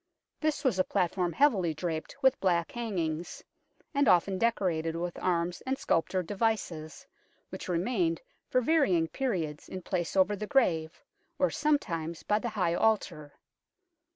This was a platform heavily draped with black hangings, and often decorated with arms and sculptured devices, which re mained for varying periods in place over the grave, or sometimes by the high altar.